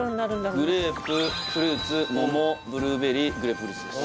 グレープフルーツ桃ブルーベリーグレープフルーツです